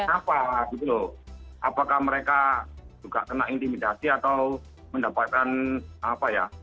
apa gitu loh apakah mereka juga kena intimidasi atau mendapatkan apa ya